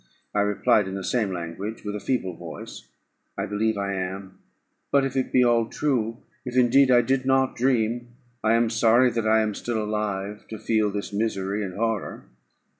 I replied in the same language, with a feeble voice, "I believe I am; but if it be all true, if indeed I did not dream, I am sorry that I am still alive to feel this misery and horror."